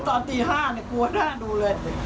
ตอนตีห้าเนี่ยกลัวหน้าดูเลย